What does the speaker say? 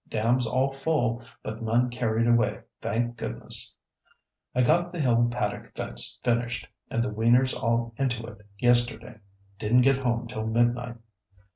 Dams all full, but none carried away, thank goodness! "I got the hill paddock fence finished and the weaners all into it yesterday. Didn't get home till midnight.